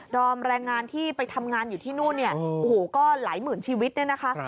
อมแรงงานที่ไปทำงานอยู่ที่นู่นเนี่ยโอ้โหก็หลายหมื่นชีวิตเนี่ยนะคะ